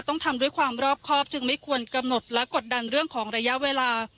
ต้องทำด้วยความรอบครอบจึงไม่ควรกำหนดและกดดันเรื่องของระยะเวลา